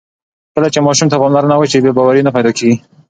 کله چې ماشوم ته پاملرنه وشي، بې باوري نه پیدا کېږي.